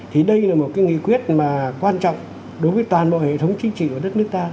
thì đây là một nghị quyết mà quan trọng đối với toàn bộ hệ thống chính trị của đất nước ta